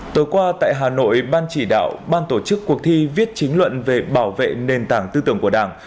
tối qua tại hà nội ban chỉ đạo ban tổ chức cuộc thi viết chính luận về bảo vệ nền tảng tư tưởng của đảng